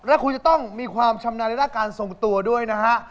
และคุณจะต้องมีความชำนาญในด้านการทรงตัวด้วยนะฮะ